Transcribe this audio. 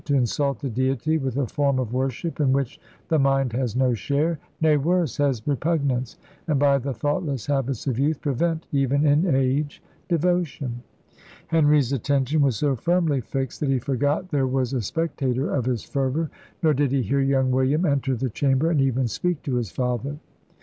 to insult the Deity with a form of worship in which the mind has no share; nay, worse, has repugnance, and by the thoughtless habits of youth, prevent, even in age, devotion." Henry's attention was so firmly fixed that he forgot there was a spectator of his fervour; nor did he hear young William enter the chamber and even speak to his father.